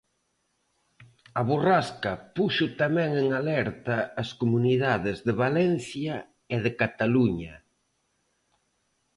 A borrasca puxo tamén en alerta as comunidades de Valencia e de Cataluña.